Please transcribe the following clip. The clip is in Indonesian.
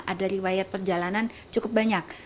ada riwayat perjalanan cukup banyak